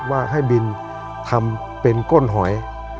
ว่าให้บินทำเป็นก้นหอย